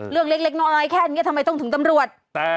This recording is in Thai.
เรื่องเล็กน้อยแค่นี้ทำไมต้องถึงตำรวจ